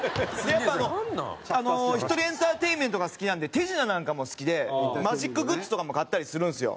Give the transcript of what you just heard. やっぱあの１人エンターテインメントが好きなんで手品なんかも好きでマジックグッズとかも買ったりするんですよ。